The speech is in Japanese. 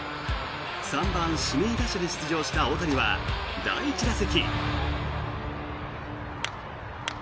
３番指名打者で出場した大谷は第１打席。